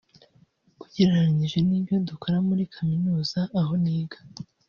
ugereranyije n’ibyo dukora muri Kaminuza aho niga